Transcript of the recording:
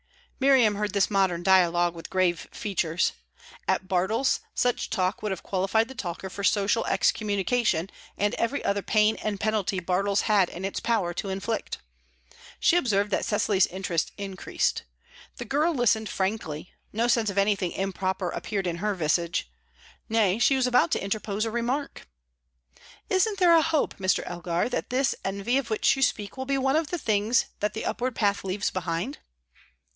Miriam heard this modern dialogue with grave features. At Bartles, such talk would have qualified the talker for social excommunication, and every other pain and penalty Bartles had in its power to inflict. She observed that Cecily's interest increased. The girl listened frankly; no sense of anything improper appeared in her visage. Nay, she was about to interpose a remark. "Isn't there a hope, Mr. Elgar, that this envy of which you speak will be one of the things that the upward path leaves behind?"